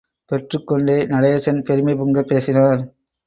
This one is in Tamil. பெற்றுக்கொண்ட நடேசன் பெருமை பொங்கப் பேசினார்.